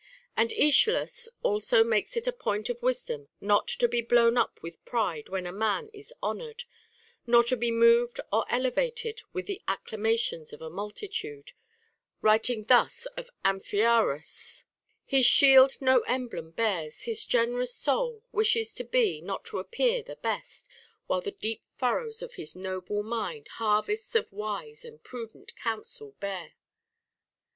And Aeschylus also makes it a point of wisdom not to be blown up with pride when a man is honored, nor to be moved or elevated with the acclamations of a multitude, writing thus of Amphiaraus :— His shield no emblem bears ; his generous soul Wishes to be, not to appear, the best ; While the deep furrows of his noble mind Harvests of wise and prudent counsel bear.